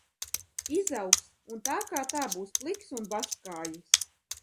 Izaugs un tā kā tā būs pliks un baskājis.